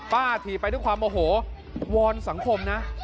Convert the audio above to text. ป้าถีไปที่ความโอโหวอนสังคมนะ